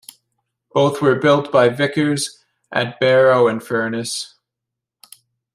Both were built by Vickers at Barrow-in-Furness.